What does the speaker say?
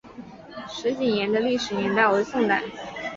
石井岩的历史年代为宋代。